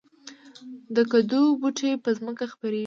د کدو بوټی په ځمکه خپریږي